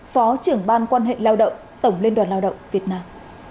phó trưởng ban quan hệ lao động tổng liên đoàn lao động việt nam